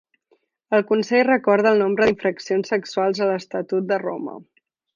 El Consell recorda el nombre d'infraccions sexuals a l'Estatut de Roma.